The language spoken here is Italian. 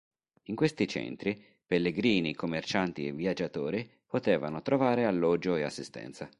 In questi centri pellegrini, commercianti e viaggiatori potevano trovare alloggio e assistenza.